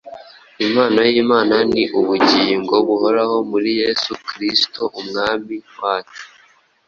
impano y’imana ni ubugingo buhoraho muri yesu kristo umwami wacu.”